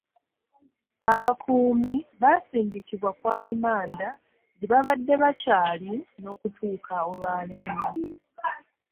Abakuumi baasindikibwa ku alimanda gye babadde bakyali n'okutuuka olwa leero.